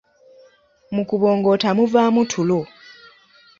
Mu kubongoota muvaamu tulo.